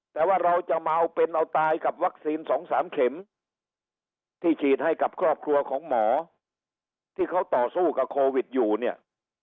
แต่ว่าเราจะมาเอาเป็นเอาตายกับวัคซีน๒๓เข็มที่ฉีดให้กับครอบครัวของหมอที่เขาต่อสู้กับโควิดอยู่เนี่ย